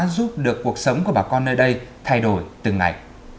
giúp được cuộc sống của bà con nơi đây thay đổi từng ngày